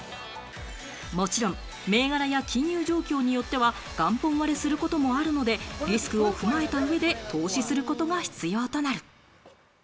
もちろん、銘柄や金融状況によっては元本割れすることもあるので、リスクを踏まえた上で投資することが必要となる。